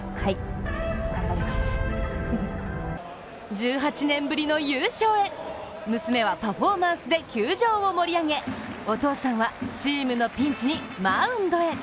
１８年ぶりの優勝へ、娘はパフォーマンスで球場を盛り上げお父さんはチームのピンチにマウンドへ。